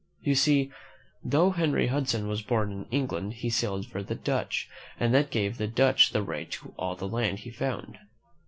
You see, though Henry Hudson was born in England, he sailed for the Dutch, and that gave the Dutch the right to all the land he found.